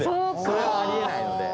それはありえないので。